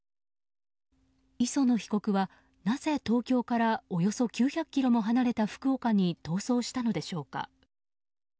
磯野被告は、なぜ東京からおよそ９００ｋｍも離れた福岡に逃走したのでしょうか。